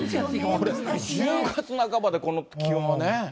これ、１０月半ばでこの気温はね。